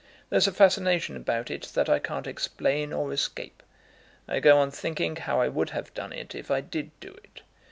There's a fascination about it that I can't explain or escape. I go on thinking how I would have done it if I did do it.